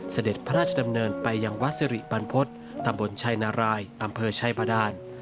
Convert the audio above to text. เสด็จพระราชดำเนินไปยังวัดสิริบรรพฤษตำบลชัยนารายอำเภอชัยบาดาน